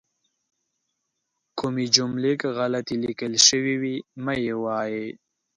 کومې جملې که غلطې لیکل شوي وي مه یې وایئ.